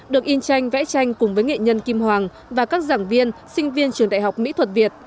được in tranh vẽ tranh cùng với nghệ nhân kim hoàng và các giảng viên sinh viên trường đại học mỹ thuật việt